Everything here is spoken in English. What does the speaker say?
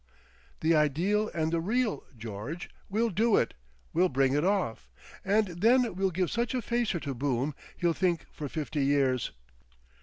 "The Ideal and the Real! George, we'll do it! We'll bring it off! And then we'll give such a facer to Boom, he'll think for fifty years.